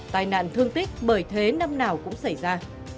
tai nạn thương tích bởi thế năm nào cũng xảy ra